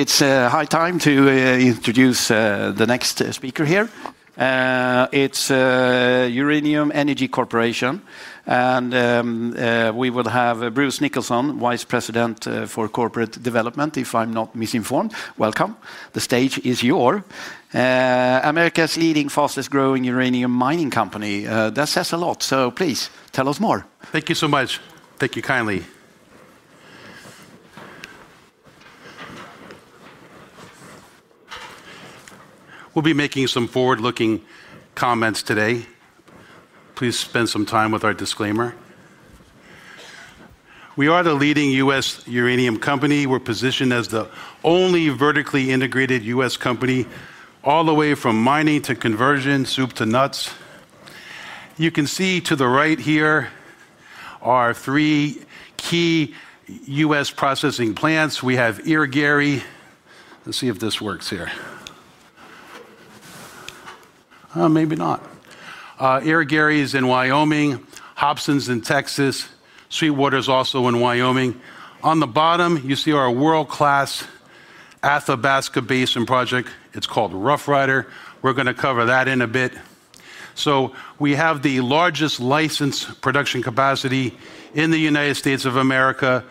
It's a high time to introduce the next speaker here. It's Uranium Energy Corp. And we will have Bruce Nicholson, Vice President of Corporate Development, if I'm not misinformed. Welcome. The stage is yours. America's leading fastest growing uranium mining company. That says a lot. Please tell us more. Thank you so much. Thank you kindly. We'll be making some forward-looking comments today. Please spend some time with our disclaimer. We are the leading U.S. uranium company. We're positioned as the only vertically integrated U.S. company, all the way from mining to conversion, soup to nuts. You can see to the right here are three key U.S. processing plants. We have Irigaray. Let's see if this works here. Oh, maybe not. Irigaray is in Wyoming. Hobson's in Texas. Sweetwater is also in Wyoming. On the bottom, you see our world-class Athabasca Basin project. It's called Roughrider. We're going to cover that in a bit. We have the largest licensed production capacity in the United States of America,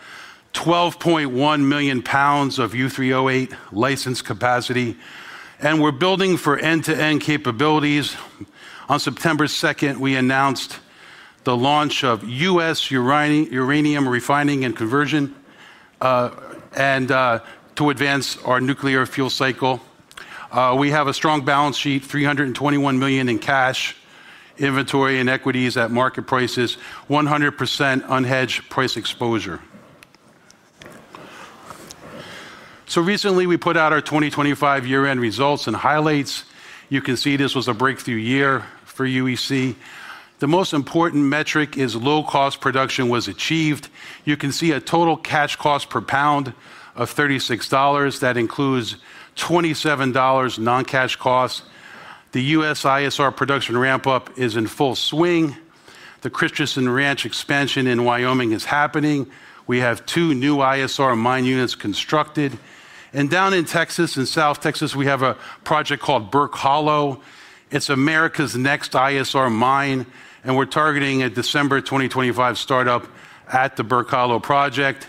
12.1 million lbs of U3O8 licensed capacity. We're building for end-to-end capabilities. On September 2, we announced the launch of U.S. uranium refining and conversion to advance our nuclear fuel cycle. We have a strong balance sheet, $321 million in cash, inventory, and equities at market prices, 100% unhedged price exposure. Recently, we put out our 2025 year-end results and highlights. You can see this was a breakthrough year for UEC. The most important metric is low-cost production was achieved. You can see a total cash cost per pound of $36. That includes $27 non-cash cost. The U.S. ISR production ramp-up is in full swing. The Christensen Ranch expansion in Wyoming is happening. We have two new ISR mine units constructed. Down in Texas and South Texas, we have a project called Burke Hollow. It's America's next ISR mine, and we're targeting a December 2025 startup at the Burke Hollow project.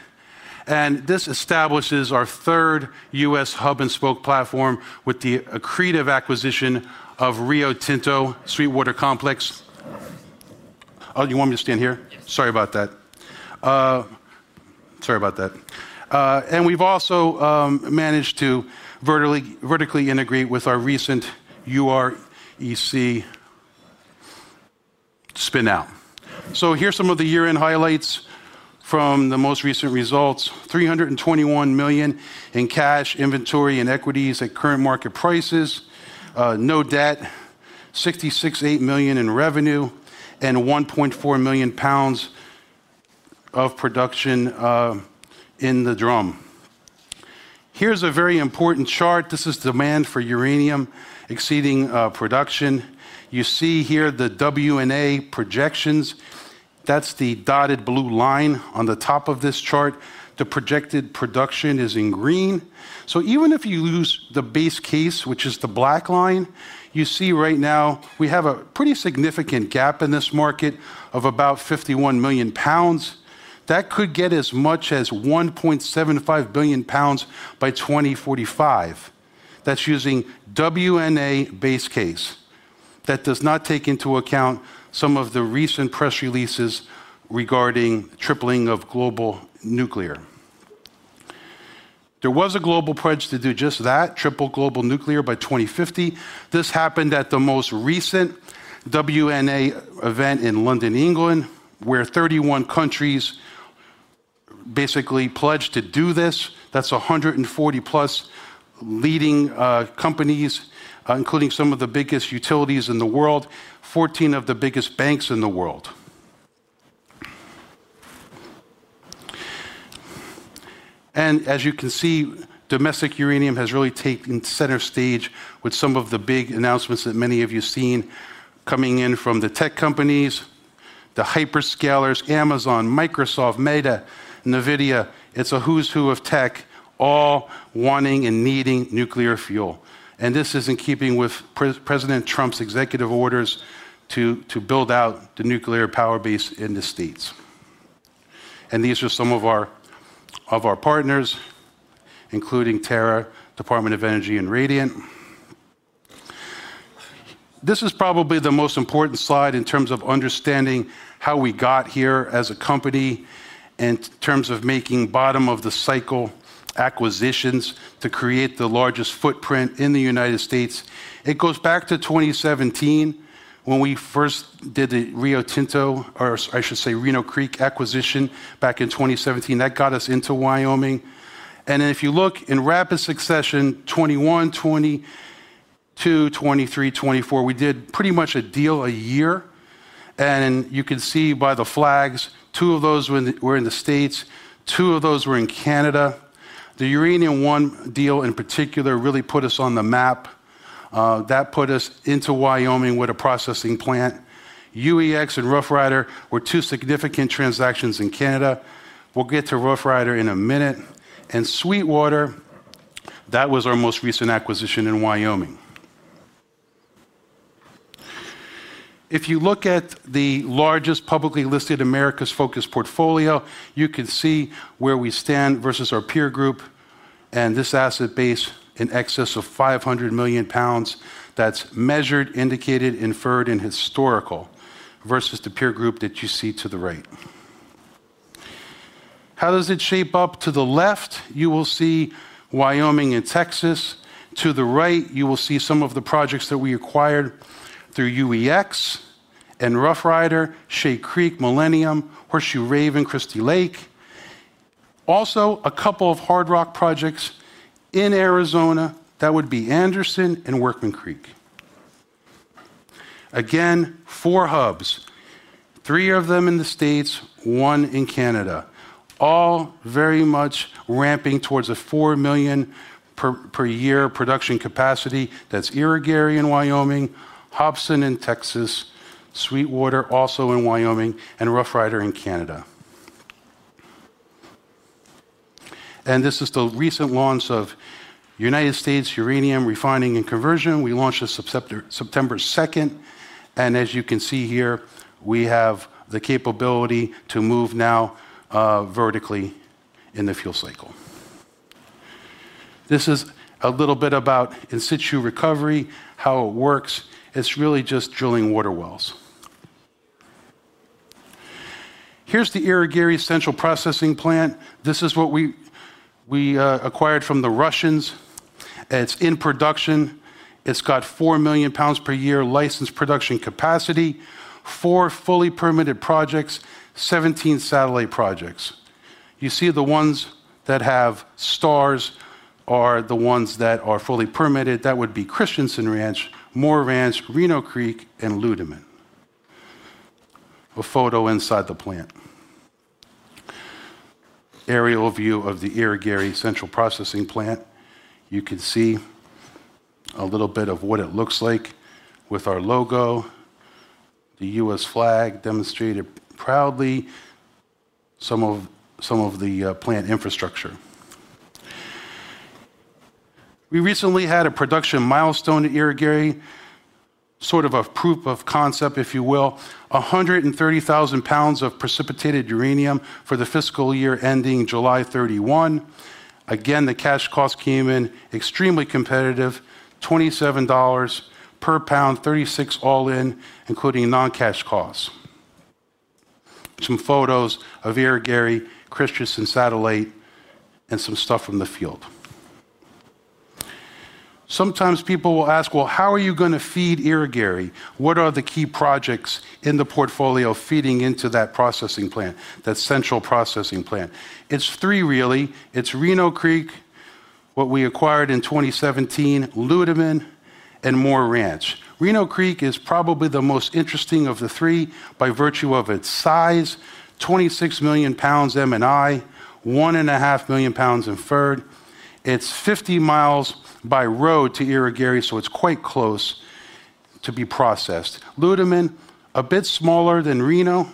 This establishes our third U.S. hub and spoke platform with the creative acquisition of Rio Tinto Sweetwater Complex. Sorry about that. We've also managed to vertically integrate with our recent UREC spin-out. Here are some of the year-end highlights from the most recent results. $321 million in cash, inventory, and equities at current market prices. No debt. $66.8 million in revenue and 1.4 million lbs of production in the drum. Here's a very important chart. This is demand for uranium exceeding production. You see here the WNA projections. That's the dotted blue line on the top of this chart. The projected production is in green. Even if you lose the base case, which is the black line, you see right now we have a pretty significant gap in this market of about 51 million lbs. That could get as much as 1.75 billion lbs by 2045. That's using WNA base case. That does not take into account some of the recent press releases regarding tripling of global nuclear. There was a global pledge to do just that, triple global nuclear by 2050. This happened at the most recent WNA event in London, England, where 31 countries basically pledged to do this. That's 140+ leading companies, including some of the biggest utilities in the world, 14 of the biggest banks in the world. As you can see, domestic uranium has really taken center stage with some of the big announcements that many of you have seen coming in from the tech companies, the hyperscalers, Amazon, Microsoft, Meta, NVIDIA. It's a who's who of tech, all wanting and needing nuclear fuel. This is in keeping with President Trump's executive orders to build out the nuclear power base in the United States. These are some of our partners, including Terra, Department of Energy, and Radiant. This is probably the most important slide in terms of understanding how we got here as a company and in terms of making bottom-of-the-cycle acquisitions to create the largest footprint in the United States. It goes back to 2017 when we first did the Rio Tinto, or I should say Reno Creek acquisition back in 2017. That got us into Wyoming. If you look in rapid succession, 2021, 2022, 2023, 2024, we did pretty much a deal a year. You can see by the flags, two of those were in the United States, two of those were in Canada. The Uranium One deal in particular really put us on the map. That put us into Wyoming with a processing plant. UEX and Roughrider were two significant transactions in Canada. We'll get to Roughrider in a minute. Sweetwater, that was our most recent acquisition in Wyoming. If you look at the largest publicly listed Americas focus portfolio, you can see where we stand versus our peer group. This asset base in excess of 500 million lbs, that's measured, indicated, inferred, and historical versus the peer group that you see to the right. How does it shape up? To the left, you will see Wyoming and Texas. To the right, you will see some of the projects that we acquired through UEX and Roughrider, Shade Creek, Millennium, Horseshoe-Raven, Christie Lake. Also, a couple of hard rock projects in Arizona. That would be Anderson and Workman Creek. Again, four hubs, three of them in the U.S., one in Canada, all very much ramping towards a 4 million per year production capacity. That's Irigaray in Wyoming, Hobson in Texas, Sweetwater also in Wyoming, and Roughrider in Canada. This is the recent launch of United States Uranium Refining and Conversion. We launched this September 2. As you can see here, we have the capability to move now vertically in the fuel cycle. This is a little bit about in-situ recovery, how it works. It's really just drilling water wells. Here's the Irigaray Central Processing Plant. This is what we acquired from the Russians. It's in production. It's got 4 million lbs per year licensed production capacity, four fully permitted projects, 17 satellite projects. You see the ones that have stars are the ones that are fully permitted. That would be Christensen Ranch, Moore Ranch, Reno Creek, and Ludeman. A photo inside the plant. Aerial view of the Irigaray Central Processing Plant. You can see a little bit of what it looks like with our logo, the U.S. flag demonstrated proudly, some of the plant infrastructure. We recently had a production milestone at Irigaray, sort of a proof of concept, if you will, 130,000 lbs of precipitated uranium for the fiscal year ending July 31. The cash cost came in extremely competitive, $27 per lbs, $36 all-in, including non-cash costs. Some photos of Irigaray, Christensen satellite, and some stuff from the field. Sometimes people will ask, how are you going to feed Irigaray? What are the key projects in the portfolio feeding into that processing plant, that central processing plant? It's three, really. It's Reno Creek, what we acquired in 2017, Ludeman, and Moore Ranch. Reno Creek is probably the most interesting of the three by virtue of its size, 26 million lbs M&I, 1.5 million lbs inferred. It's 50 mi by road to Irigaray, so it's quite close to be processed. Ludeman, a bit smaller than Reno,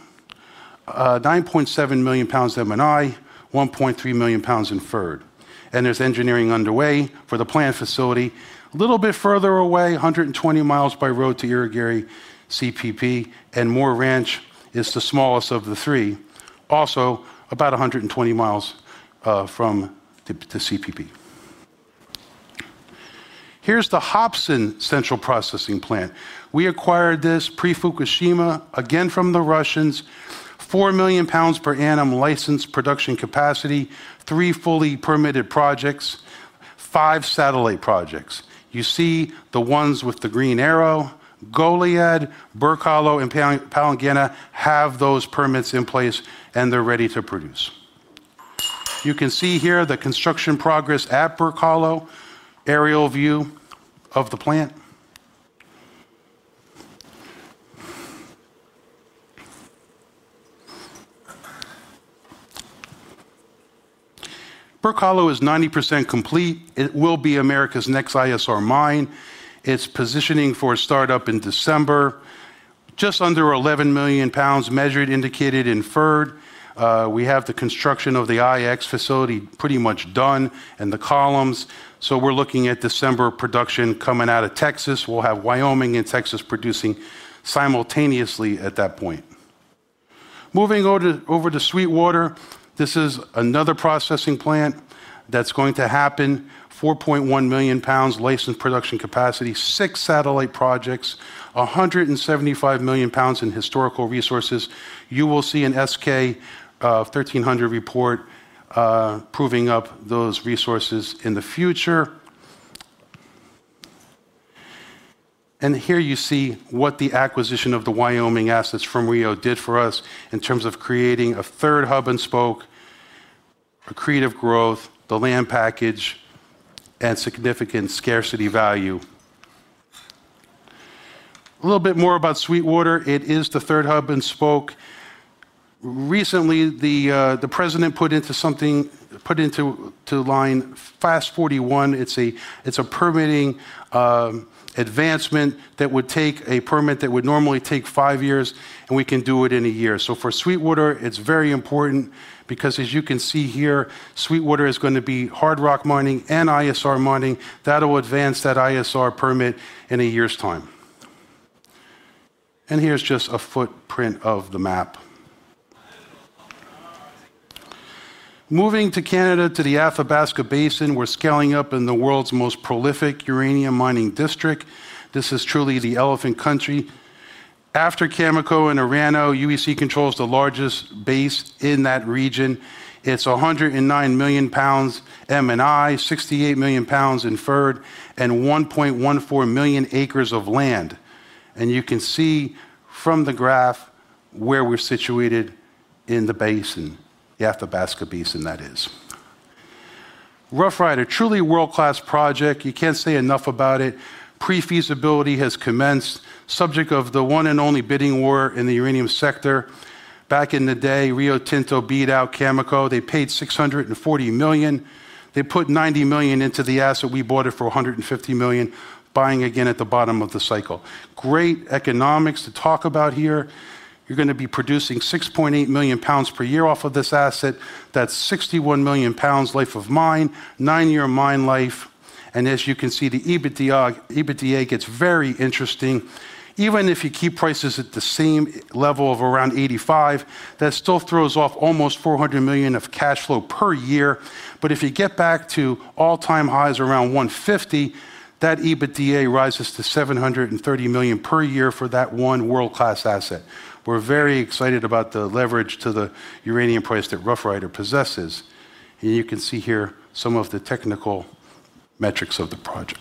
9.7 million lbs M&I, 1.3 million lbs inferred. There's engineering underway for the plant facility. A little bit further away, 120 mi by road to Irigaray CPP, and Moore Ranch is the smallest of the three, also about 120 miles from the CPP. Here's the Hobson Central Processing Plant. We acquired this pre-Fukushima, again from the Russians, 4 million lbs per annum licensed production capacity, three fully permitted projects, five satellite projects. You see the ones with the green arrow. Goliad, Burke Hollow, and Palangana have those permits in place, and they're ready to produce. You can see here the construction progress at Burke Hollow, aerial view of the plant. Burke Hollow is 90% complete. It will be America's next ISR mine. It's positioning for a startup in December. Just under 11 million lbs measured, indicated, inferred. We have the construction of the IX facility pretty much done and the columns. We're looking at December production coming out of Texas. We'll have Wyoming and Texas producing simultaneously at that point. Moving over to Sweetwater, this is another processing plant that's going to happen. $4.1 million lbs licensed production capacity, six satellite projects, 175 million lbs in historical resources. You will see an SK 1300 report proving up those resources in the future. Here you see what the acquisition of the Wyoming assets from Rio Tinto did for us in terms of creating a third hub and spoke, accretive growth, the land package, and significant scarcity value. A little bit more about Sweetwater. It is the third hub and spoke. Recently, the President put into line FAST-41. It's a permitting advancement that would take a permit that would normally take five years, and we can do it in a year. For Sweetwater, it's very important because as you can see here, Sweetwater is going to be hard rock mining and ISR mining. That'll advance that ISR permit in a year's time. Here's just a footprint of the map. Moving to Canada, to the Athabasca Basin, we're scaling up in the world's most prolific uranium mining district. This is truly the elephant country. After Cameco and Orano, UEC controls the largest base in that region. It's 109 million lbs M&I, 68 million lbs inferred, and 1.14 million acres of land. You can see from the graph where we're situated in the basin, the Athabasca Basin, that is. Roughrider, truly world-class project. You can't say enough about it. Pre-feasibility has commenced, subject of the one and only bidding war in the uranium sector. Back in the day, Rio Tinto beat out Cameco. They paid $640 million. They put $90 million into the asset. We bought it for $150 million, buying again at the bottom of the cycle. Great economics to talk about here. You're going to be producing 6.8 million lbs per year off of this asset. That's 61 million lbs life of mine, nine-year mine life. As you can see, the EBITDA gets very interesting. Even if you keep prices at the same level of around $85, that still throws off almost $400 million of cash flow per year. If you get back to all-time highs around $150, that EBITDA rises to $730 million per year for that one world-class asset. We're very excited about the leverage to the uranium price that Roughrider possesses. You can see here some of the technical metrics of the project.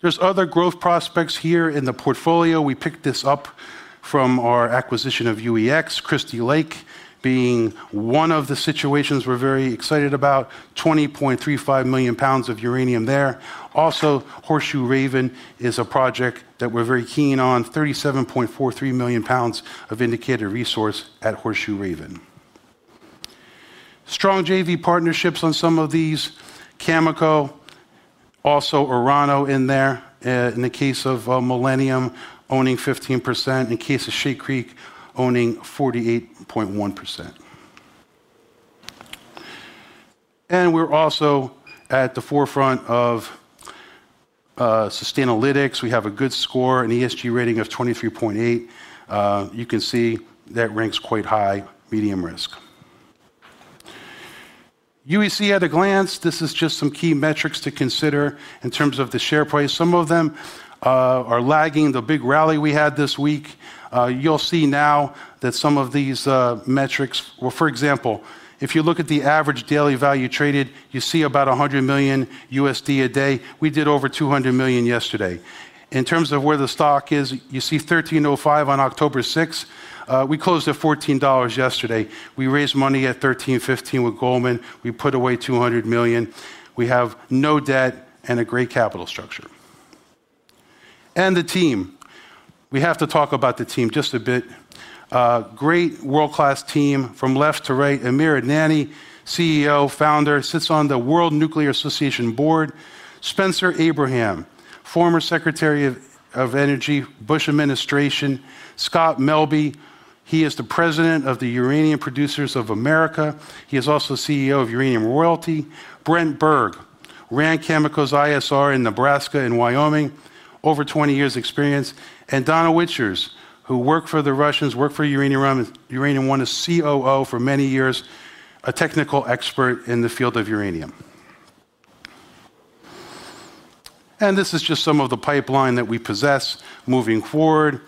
There are other growth prospects here in the portfolio. We picked this up from our acquisition of UEX, Christie Lake being one of the situations we're very excited about. 20.35 million lbs of uranium there. Also, Horseshoe-Raven is a project that we're very keen on. 37.43 million lbs of indicated resource at Horseshoe-Raven. Strong JV partnerships on some of these. Cameco, also Orano in there, in the case of Millennium owning 15%, in the case of Shade Creek owning 48.1%. We're also at the forefront of Sustainalytics. We have a good score, an ESG rating of 23.8. You can see that ranks quite high, medium risk. UEC at a glance, this is just some key metrics to consider in terms of the share price. Some of them are lagging. The big rally we had this week, you'll see now that some of these metrics, for example, if you look at the average daily value traded, you see about $100 million USD a day. We did over $200 million yesterday. In terms of where the stock is, you see $13.05 on October 6th. We closed at $14 yesterday. We raised money at $13.15 with Goldman Sachs. We put away $200 million. We have no debt and a great capital structure. The team. We have to talk about the team just a bit. Great world-class team. From left to right, Amir Adnani, CEO, founder, sits on the World Nuclear Association Board. Spencer Abraham, former Secretary of Energy, Bush Administration. Scott Melbye, he is the President of the Uranium Producers of America. He is also CEO of Uranium Royalty. Brent Berg, ran Cameco's ISR in Nebraska and Wyoming, over 20 years of experience. Donna Wichers, who worked for the Russians, worked for Uranium One as COO for many years, a technical expert in the field of uranium. This is just some of the pipeline that we possess moving forward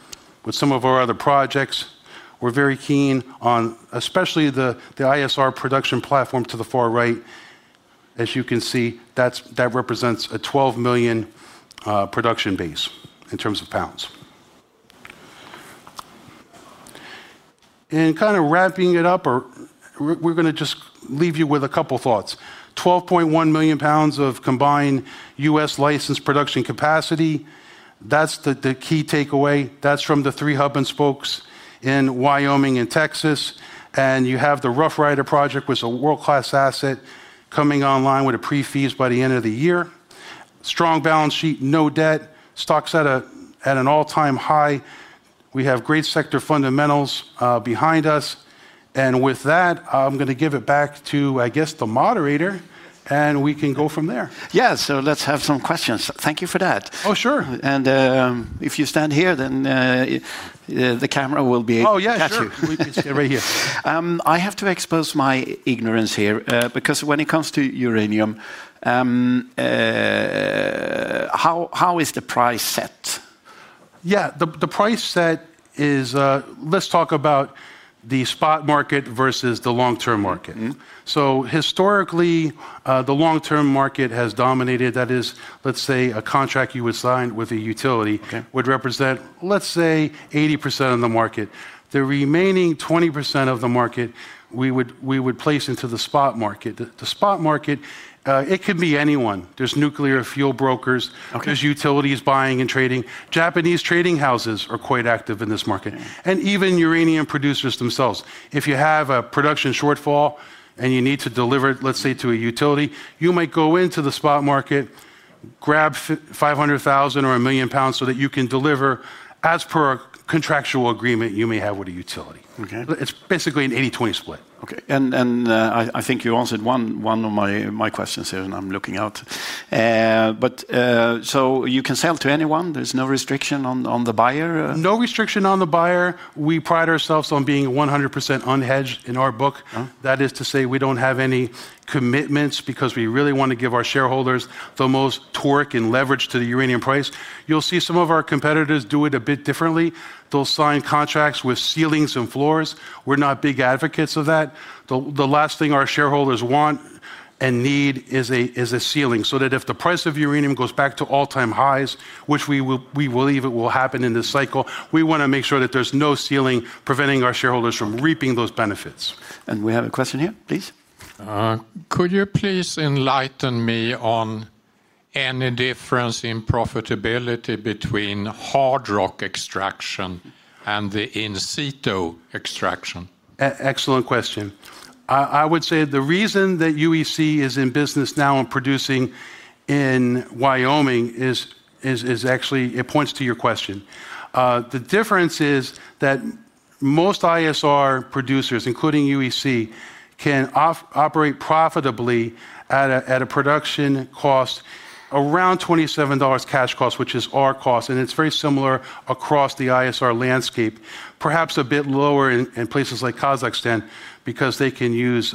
with some of our other projects. We're very keen on especially the ISR production platform to the far right. As you can see, that represents a 12 million production base in terms of pounds. Kind of wrapping it up, we're going to just leave you with a couple of thoughts. 12.1 million lbs of combined U.S. Licensed production capacity. That's the key takeaway. That's from the three hub and spokes in Wyoming and Texas. You have the Roughrider project, which is a world-class asset coming online with a pre-feasibility by the end of the year. Strong balance sheet, no debt. Stock's at an all-time high. We have great sector fundamentals behind us. With that, I'm going to give it back to, I guess, the moderator. We can go from there. Yeah, let's have some questions. Thank you for that. Oh, sure. If you stand here, the camera will be. Oh, yeah, sure. Right here. I have to expose my ignorance here because when it comes to uranium, how is the price set? Yeah, the price set is, let's talk about the spot market versus the long-term market. Historically, the long-term market has dominated. That is, let's say a contract you would sign with a utility would represent, let's say, 80% of the market. The remaining 20% of the market, we would place into the spot market. The spot market, it could be anyone. There are nuclear fuel brokers. There are utilities buying and trading. Japanese trading houses are quite active in this market. Even uranium producers themselves. If you have a production shortfall and you need to deliver, let's say, to a utility, you might go into the spot market, grab $500,000 or $1 million so that you can deliver as per a contractual agreement you may have with a utility. It's basically an 80/20 split. Okay, I think you answered one of my questions here. I'm looking out. You can sell to anyone. There's no restriction on the buyer? No restriction on the buyer. We pride ourselves on being 100% unhedged in our book. That is to say, we don't have any commitments because we really want to give our shareholders the most torque and leverage to the uranium price. You'll see some of our competitors do it a bit differently. They'll sign contracts with ceilings and floors. We're not big advocates of that. The last thing our shareholders want and need is a ceiling. If the price of uranium goes back to all-time highs, which we believe it will happen in this cycle, we want to make sure that there's no ceiling preventing our shareholders from reaping those benefits. We have a question here, please. Could you please enlighten me on any difference in profitability between hard rock extraction and the in-situ extraction? Excellent question. I would say the reason that UEC is in business now and producing in Wyoming is actually, it points to your question. The difference is that most ISR producers, including UEC, can operate profitably at a production cost around $27 cash cost, which is our cost. It's very similar across the ISR landscape, perhaps a bit lower in places like Kazakhstan because they can use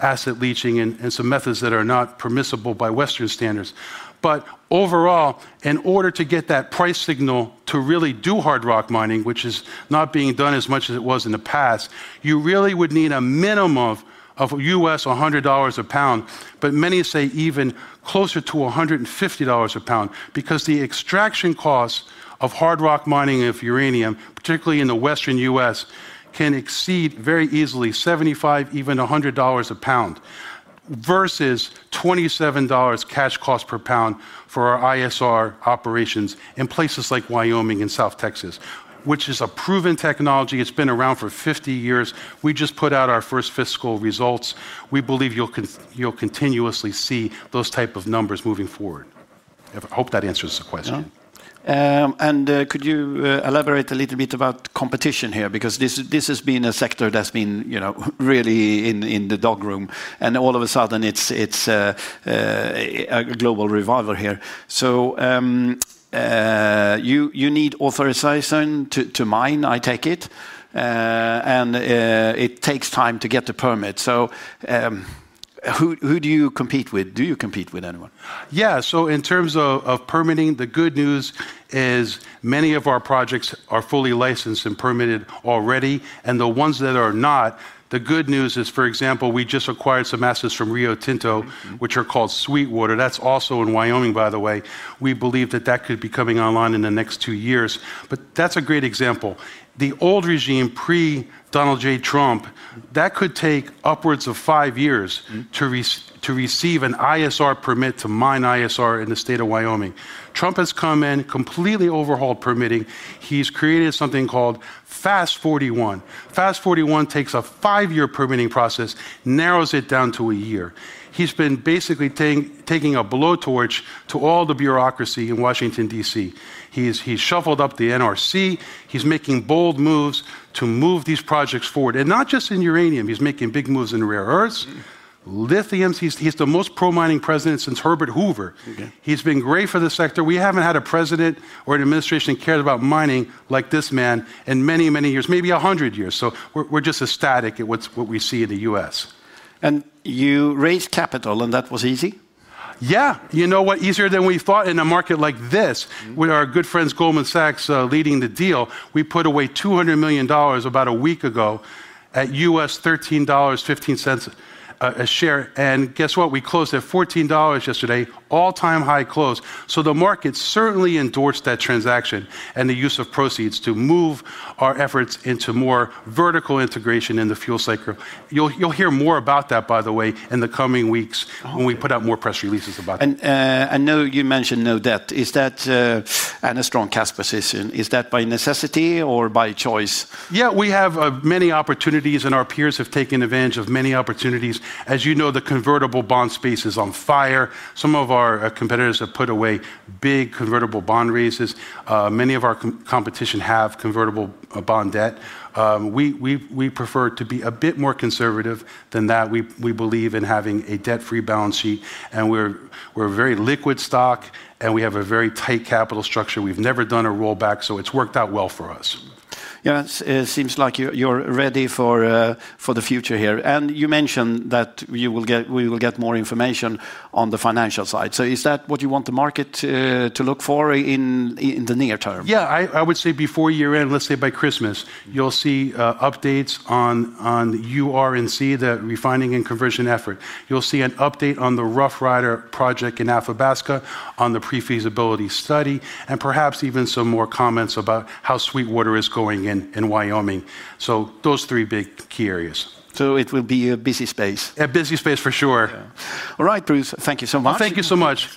acid leaching and some methods that are not permissible by Western standards. Overall, in order to get that price signal to really do hard rock mining, which is not being done as much as it was in the past, you really would need a minimum of $100 a pound, but many say even closer to $150 a pound because the extraction cost of hard rock mining of uranium, particularly in the Western U.S., can exceed very easily $75, even $100 a pound versus $27 cash cost per lbs for our ISR operations in places like Wyoming and South Texas, which is a proven technology. It's been around for 50 years. We just put out our first fiscal results. We believe you'll continuously see those types of numbers moving forward. I hope that answers the question. Could you elaborate a little bit about the competition here? This has been a sector that's been really in the dog room, and all of a sudden it's a global revival here. You need authorization to mine, I take it, and it takes time to get the permit. Who do you compete with? Do you compete with anyone? Yeah, so in terms of permitting, the good news is many of our projects are fully licensed and permitted already. The ones that are not, the good news is, for example, we just acquired some assets from Rio Tinto, which are called Sweetwater. That's also in Wyoming, by the way. We believe that that could be coming online in the next two years. That's a great example. The old regime, pre-Donald J. Trump, that could take upwards of five years to receive an ISR permit to mine ISR in the state of Wyoming. Trump has come in, completely overhauled permitting. He's created something called FAST-41. FAST-41 takes a five-year permitting process, narrows it down to a year. He's been basically taking a blowtorch to all the bureaucracy in Washington, D.C. He's shuffled up the NRC. He's making bold moves to move these projects forward. Not just in uranium, he's making big moves in rare earths, lithiums. He's the most pro-mining president since Herbert Hoover. He's been great for the sector. We haven't had a president or an administration that cared about mining like this man in many, many years, maybe 100 years. We're just ecstatic at what we see in the U.S. You raised capital, and that was easy? Yeah, you know what, easier than we thought. In a market like this, with our good friends Goldman Sachs leading the deal, we put away $200 million about a week ago at $13.15 a share. Guess what? We closed at $14 yesterday, all-time high close. The market certainly endorsed that transaction and the use of proceeds to move our efforts into more vertical integration in the fuel cycle. You'll hear more about that, by the way, in the coming weeks when we put out more press releases about it. I know you mentioned no debt. Is that a strong cash position? Is that by necessity or by choice? Yeah, we have many opportunities, and our peers have taken advantage of many opportunities. As you know, the convertible bond space is on fire. Some of our competitors have put away big convertible bond raises. Many of our competition have convertible bond debt. We prefer to be a bit more conservative than that. We believe in having a debt-free balance sheet. We're a very liquid stock, and we have a very tight capital structure. We've never done a rollback, so it's worked out well for us. It seems like you're ready for the future here. You mentioned that we will get more information on the financial side. Is that what you want the market to look for in the near term? Yeah, I would say before year-end, let's say by Christmas, you'll see updates on U3O8, the refining and conversion effort. You'll see an update on the Roughrider project in Athabasca on the pre-feasibility study, and perhaps even some more comments about how Sweetwater is going in Wyoming. Those are three big key areas. It will be a busy space. A busy space for sure. All right, Bruce, thank you so much. Thank you so much.